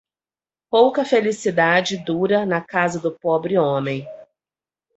Pouca felicidade dura na casa do pobre homem.